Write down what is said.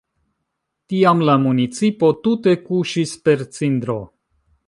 Tiam la municipo tute kuŝis per cindro.